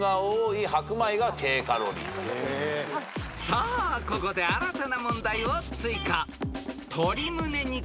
［さあここで新たな問題を追加］